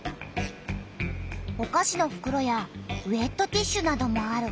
おかしのふくろやウエットティッシュなどもある。